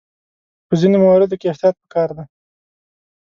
په ځینو مواردو کې احتیاط پکار دی.